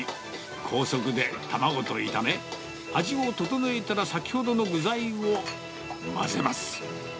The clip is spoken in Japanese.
高速で卵と炒め、味を調えたら先ほどの具材を混ぜます。